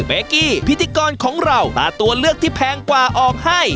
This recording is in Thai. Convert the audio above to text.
เบกกี้พิธีกรของเราตาตัวเลือกที่แพงกว่าออกให้